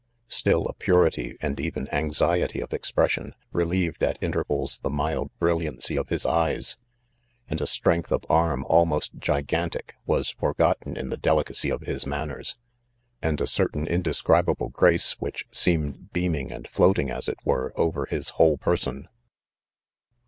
Still, a purity and even anxiety of expression,, relieved at intervals the mild brilliancy of his eyes ; and a strength of arm almost gigantic, was aorgoiten in tue delicacy 01 iiis manners, and a certain indescribable grace which seem ed beaming and floating, as it were, over his whole person.